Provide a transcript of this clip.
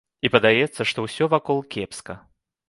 І падаецца, што ўсё вакол кепска.